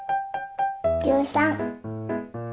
１３。